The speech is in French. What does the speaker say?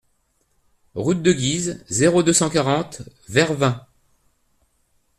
Route de Guise, zéro deux, cent quarante Vervins